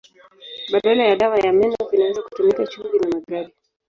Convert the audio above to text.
Badala ya dawa ya meno vinaweza kutumika chumvi na magadi.